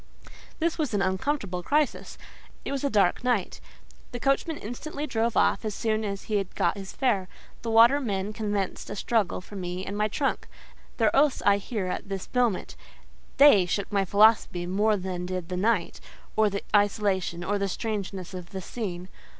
This was an uncomfortable crisis. It was a dark night. The coachman instantly drove off as soon as he had got his fare: the watermen commenced a struggle for me and my trunk. Their oaths I hear at this moment: they shook my philosophy more than did the night, or the isolation, or the strangeness of the scene.